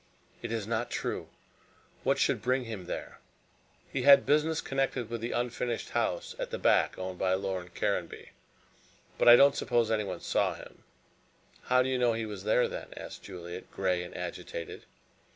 "It is not true. What should bring him there?" "He had business connected with the unfinished house at the back owned by Lord Caranby. But I don't suppose anyone saw him." "How do you know he was here then?" asked Juliet, gray and agitated.